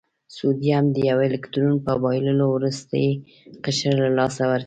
سوډیم د یو الکترون په بایللو وروستی قشر له لاسه ورکوي.